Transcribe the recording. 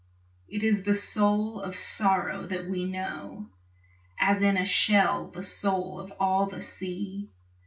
It is the soul of sorrow that we know, As in a shell the soul of all the sea.